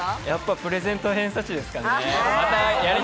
プレゼント偏差値ですかね。